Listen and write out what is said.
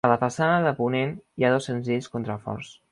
A la façana de ponent hi ha dos senzills contraforts.